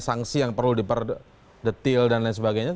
sanksi yang perlu diperdetil dan lain sebagainya